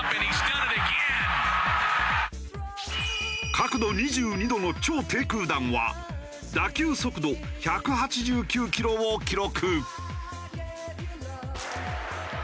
角度２２度の超低空弾は打球速度１８９キロを記録。